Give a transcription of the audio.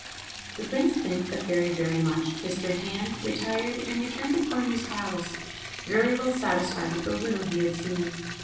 The Prince thanked the Fairy very much, kissed her hand, retired, and returned to Cornue's palace, very well satisfied with the little he had seen.